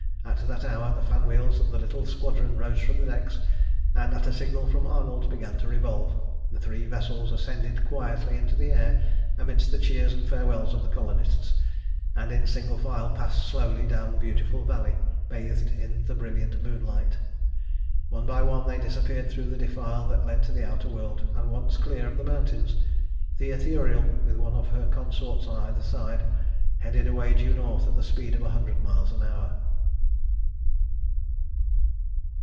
At that hour the fan wheels of the little squadron rose from the decks, and at a signal from Arnold began to revolve. The three vessels ascended quietly into the air amidst the cheers and farewells of the colonists, and in single file passed slowly down the beautiful valley bathed in the brilliant moonlight. One by one they disappeared through the defile that led to the outer world, and, once clear of the mountains, the Ithuriel, with one of her consorts on either side, headed away due north at the speed of a hundred miles an hour.